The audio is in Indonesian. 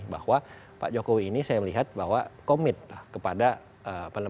bahwa pak jokowi ini saya melihat bahwa komit kepada penelitian